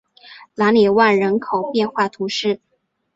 朗里万人口变化图示